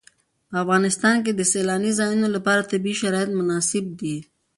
په افغانستان کې د سیلانی ځایونه لپاره طبیعي شرایط مناسب دي.